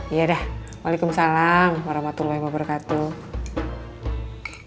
iya dah waalaikumsalam warahmatullahi wabarakatuh